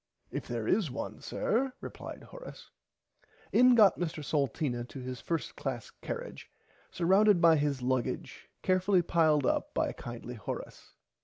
If there is one sir replied Horace. In got Mr Salteena to his first class carrage surrounded by his luggage carefully piled up by kindly Horace.